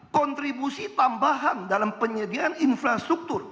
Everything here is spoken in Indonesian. kontribusi tambahan dalam penyediaan infrastruktur